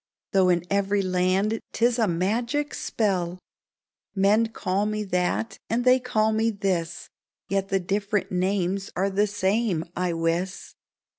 Though in every land 'tis a magic spell ! Men call me that, and they call me this ; Yet the different names are the same, I wis !